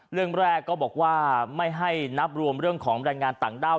เรื่องแรกก็บอกว่าไม่ให้นับรวมเรื่องของแรงงานต่างด้าว